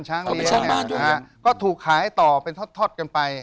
ช้างบ้านช้างบ้านด้วยเนี้ยก็ถูกขายต่อเป็นทอดทอดกันไป